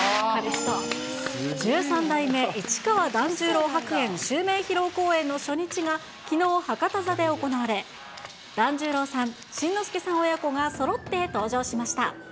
十三代目市川團十郎白猿襲名披露公演の初日が、きのう博多座で行われ、團十郎さん、新之助さん親子がそろって登場しました。